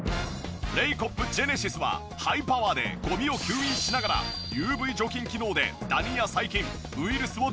レイコップジェネシスはハイパワーでゴミを吸引しながらＵＶ除菌機能でダニや細菌ウイルスを同時に除去。